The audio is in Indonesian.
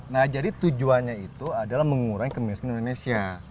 nah jadi tujuannya itu adalah mengurangi kemiskinan indonesia